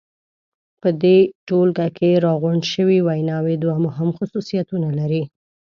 په دې ټولګه کې راغونډې شوې ویناوی دوه مهم خصوصیتونه لري.